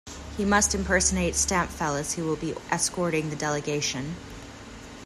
He must impersonate Stampfel, as he will be escorting the delegation.